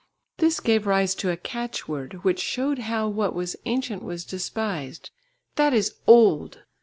This gave rise to a catchword, which showed how what was ancient was despised "That is old!"